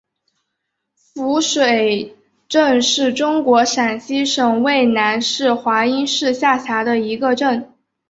夫水镇是中国陕西省渭南市华阴市下辖的一个镇。